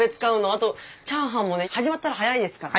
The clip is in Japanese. あとチャーハンもね始まったら早いですからね。